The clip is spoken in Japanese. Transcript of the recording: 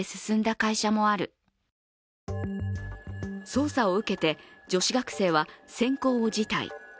捜査を受けて女子学生は、選考を辞退。